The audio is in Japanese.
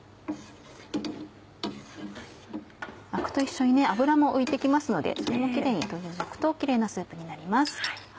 アクと一緒に脂も浮いて来ますのでそれもキレイに取り除くとキレイなスープになります。